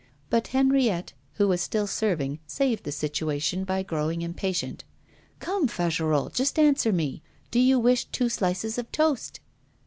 But Henriette, who was still serving, saved the situation by growing impatient. 'Come, Fagerolles, just answer me. Do you wish two slices of toast?